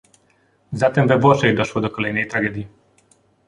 Zatem we Włoszech doszło do kolejnej tragedii